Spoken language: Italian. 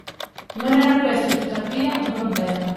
Non era questo tuttavia un problema